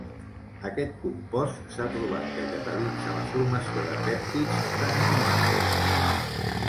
Aquest compost s'ha trobat que catalitza la formació de pèptids d'aminoàcids.